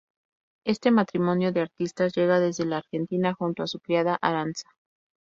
Este matrimonio de artistas llega desde la Argentina junto a su criada, Arantxa.